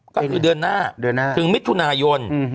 ก็คือเดือนหน้าถึงมิถุนายน